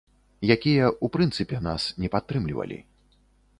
Якія, у прынцыпе, нас не падтрымлівалі.